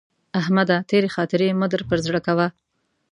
احمده! تېرې خاطرې مه در پر زړه کوه.